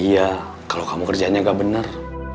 iya kalau kamu kerjanya gak bener